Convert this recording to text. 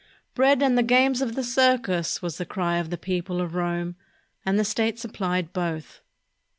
"Bread and the games of the circus!" was the cry of the people of Rome, and the state supplied both.